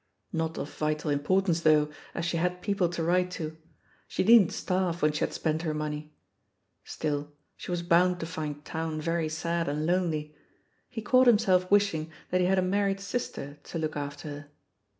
Not of vital importance, though, as she had people to write to — ^she needn't starve 180 190 THE POSITION OF PEGGY HARPER when she had spent her money. Still, she was bound to find town very sad and lonely: he caught himself wishing that he had a married sister to look after her.